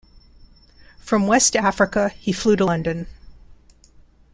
From West Africa he flew to London.